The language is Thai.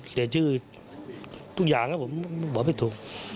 เสียชื่อทุกอย่างแล้วผมบอกไม่ถูก